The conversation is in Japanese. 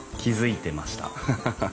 ハハハハハ。